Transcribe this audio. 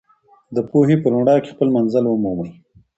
د پوهې په رڼا کې خپل منزل ومومئ.